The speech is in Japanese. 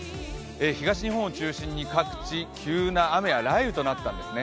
東日本を中心に各地、急な雨や雷雨となったんですね。